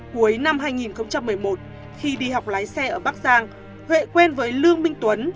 cuối năm hai nghìn một mươi một khi đi học lái xe ở bắc giang huệ quen với lương minh tuấn